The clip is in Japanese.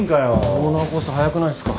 オーナーこそ早くないっすか？